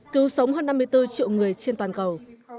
cứu sống hơn năm mươi bốn triệu người trên toàn cầu